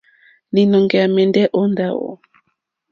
Līnɔ̄ŋgɛ̄ à mɛ̀ndɛ́ ó ndáwù.